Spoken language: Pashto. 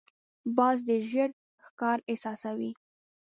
باز ډېر ژر ښکار احساسوي